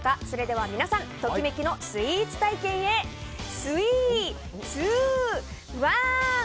それでは皆さんときめきのスイーツ体験へスイー、ツー、ワン！